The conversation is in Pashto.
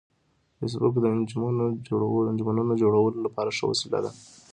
فېسبوک د انجمنونو جوړولو لپاره ښه وسیله ده